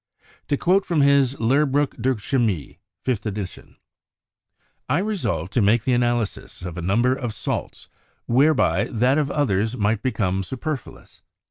To quote from his "Lehrbuch der Chemie," fifth edition: "I resolved to make the analysis of a number of salts whereby that of others might become superfluous.